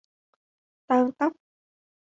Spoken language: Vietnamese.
tang tóc